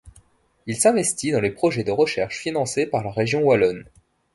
Il s'investit dans les projets de recherche financés par la Région wallonne.